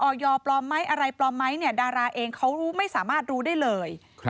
ปลอมไหมอะไรปลอมไหมเนี่ยดาราเองเขาไม่สามารถรู้ได้เลย